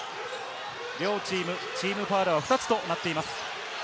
両チーム、チームファウルは２つとなっています。